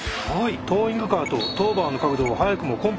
トーイングカーとトーバーの角度を早くもコンパクトにしました。